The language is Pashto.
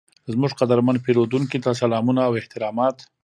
زموږ قدرمن پیرودونکي ته سلامونه او احترامات،